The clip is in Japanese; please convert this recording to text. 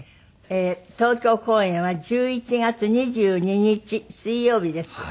東京公演は１１月２２日水曜日です。